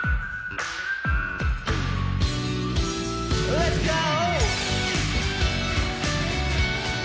レッツゴー！